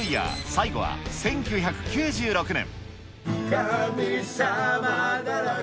最後は１９９６年。